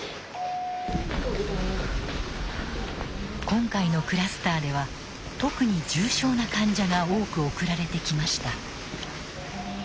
今回のクラスターでは特に重症な患者が多く送られてきました。